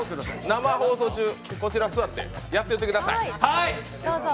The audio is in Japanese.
生放送中、こちらに座ってやっててください。